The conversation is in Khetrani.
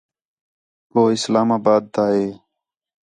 کُو اِسلام آباد تا ہے